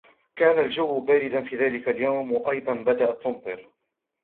كان الجو باردًا في ذلك اليوم، وايضاً، بدأت تمطر.